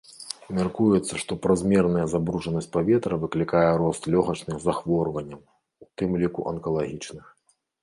Мяркуецца, што празмерная забруджанасць паветра выклікае рост лёгачных захворванняў, у тым ліку анкалагічных.